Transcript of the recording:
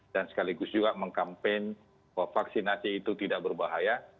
sekaligus juga mengkampen bahwa vaksinasi itu tidak berbahaya